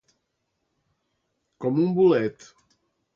Com un bolet.